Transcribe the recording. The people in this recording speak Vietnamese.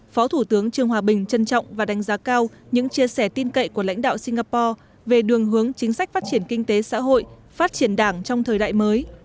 phó thủ tướng trương hòa bình trân trọng và đánh giá cao những chia sẻ tin cậy của lãnh đạo singapore về đường hướng chính sách phát triển kinh tế xã hội phát triển đảng trong thời đại mới